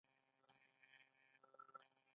چین تاریخي اقتصاد بیا راژوندی کړ.